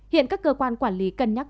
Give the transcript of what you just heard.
hiện các cơ quan quản lý cân nhắc